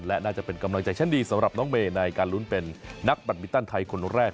และน่าจะเป็นกำลังใจชั้นดีสำหรับน้องเมย์ในการลุ้นเป็นนักแบตมินตันไทยคนแรก